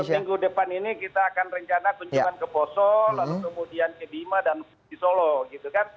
minggu depan ini kita akan rencana kunjungan ke poso lalu kemudian ke bima dan di solo gitu kan